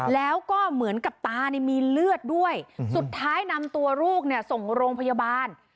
แล้วก็เหมือนกับตามีเลือดด้วยสุดท้ายนำตัวลูกเนี่ยส่งโรงพยาบาล